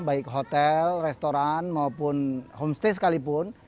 baik hotel restoran maupun homestay sekalipun